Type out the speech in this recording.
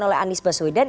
oleh anies baswedan